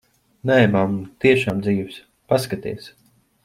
Nē, mamma, tiešām dzīvs. Paskaties.